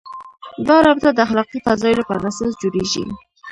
دا رابطه د اخلاقي فضایلو پر اساس جوړېږي.